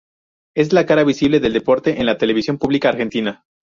Es la cara visible del deporte en la Televisión Pública Argentina.